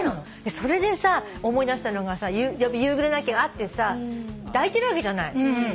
それで思い出したのが夕暮れ泣きがあって抱いてるわけじゃない。